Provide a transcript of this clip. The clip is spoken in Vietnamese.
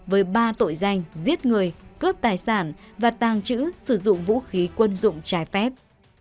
với ba tội danh giết người cướp tài sản và tàng trữ sử dụng vũ khí quân dụng trái phép